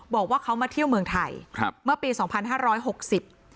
บอกว่าเขามาเที่ยวเมืองไทยครับเมื่อปีสองพันห้าร้อยหกสิบ